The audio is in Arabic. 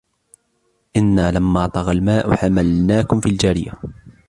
إِنَّا لَمَّا طَغَى الْمَاءُ حَمَلْنَاكُمْ فِي الْجَارِيَةِ